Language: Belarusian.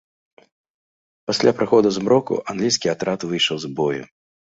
Пасля прыходу змроку англійскі атрад выйшаў з бою.